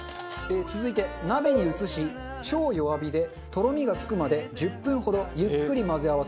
続いて鍋に移し超弱火でとろみがつくまで１０分ほどゆっくり混ぜ合わせます。